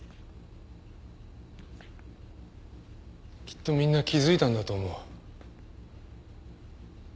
きっとみんな気づいたんだと思う。